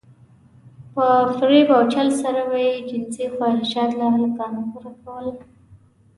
په فريب او چل سره به يې جنسي خواهشات له هلکانو پوره کول.